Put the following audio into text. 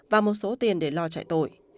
và một số tiền để lo trại tội